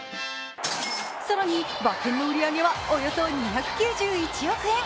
更に、馬券の売り上げはおよそ２９１億円。